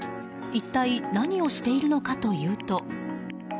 一体何をしているのかというと。